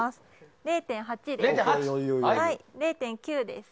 ０．８です。